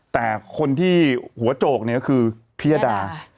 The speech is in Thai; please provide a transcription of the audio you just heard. แต่คนที่หัวโจกเนี่ยก็คือพิยดา